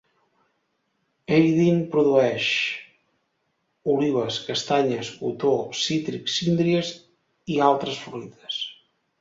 Aydın produeix olives, castanyes, cotó, cítrics, síndries i altres fruites.